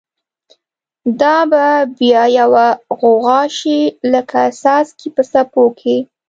دا به بیا یوه غوغاشی، لکه څاڅکی په څپو کی